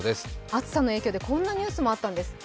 暑さの影響でこんなニュースもあったんです。